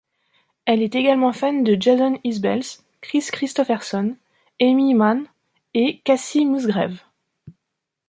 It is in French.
Elle est également fan de Jason Isbell, Kris Kristofferson, Aimee Mann et Kacey Musgraves.